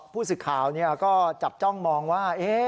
ผู้สื่อข่าวก็จับจ้องมองว่า